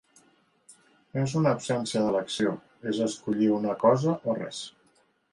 No és una absència d'elecció, és escollir una cosa o res.